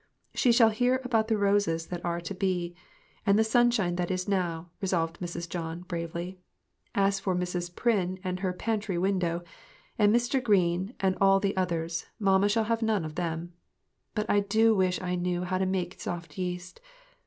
" She shall hear about the roses that are to be, 26 MIXED THINGS. and the sunshine that now is," resolved Mrs. John, bravely. "As for Mrs. Pryn and her pantry win dow, and Mrs. Green and all the others, mamma shall have none of them. But I do wish I knew how to make soft yeast.